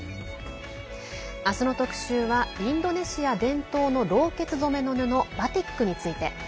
あすの特集はインドネシア伝統のろうけつ染めの布バティックについて。